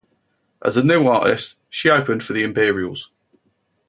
As a new artist, she opened for the Imperials.